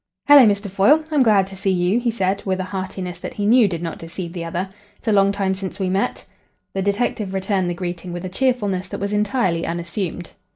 "Hello, Mr. Foyle! I am glad to see you," he said, with a heartiness that he knew did not deceive the other. "It's a long time since we met." The detective returned the greeting with a cheerfulness that was entirely unassumed.